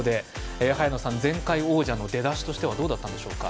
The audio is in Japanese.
早野さん、前回王者の出だしとしてはどうだったんでしょうか？